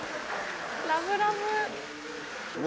ラブラブ。